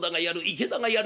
池田がやる。